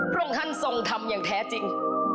พรงฮันทรงธรรมอย่างแท้จริง